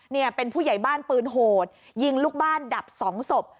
เนี่ยเป็นผู้ใหญ่บ้านปืนโหดยิงลูกบ้านดับสองศพ